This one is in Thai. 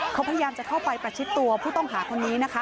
เขาพยายามจะเข้าไปประชิดตัวผู้ต้องหาคนนี้นะคะ